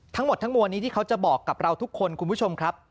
ทั้งหมดทั้งมวลนี้ที่เขาจะบอกกับเราทุกคนคุณผู้ชมครับ